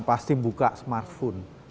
pasti buka smartphone